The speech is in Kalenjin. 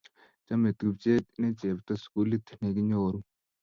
chomei tupchenyu ne chepto sukulit ne kinyoru